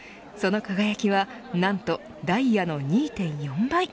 その輝きは、何とタイヤの２．４倍。